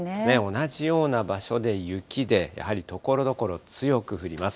同じような場所で雪で、やはりところどころ強く降ります。